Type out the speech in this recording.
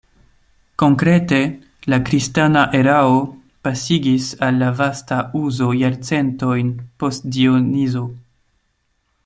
Konkrete la kristana erao pasigis al la vasta uzo jarcentojn post Dionizo.